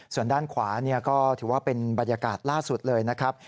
ส่วนด้านขวาก็ถือว่าเป็นบรรยากาศล่าสุดเลยนะครับ